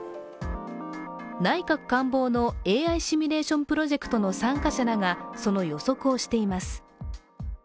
内閣官房のＡＩシミュレーションプロジェクトの参加者らがその予測をしています。